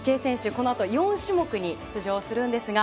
このあと４種目に出場するんですが